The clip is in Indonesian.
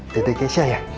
daddy kesia ya